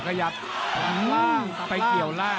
ขยับล่างไปเกี่ยวล่าง